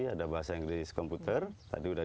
ada bahasa inggris komputer tadi udah